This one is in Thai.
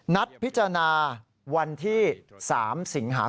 นัดพิจารณาวันที่๓สิงหาคม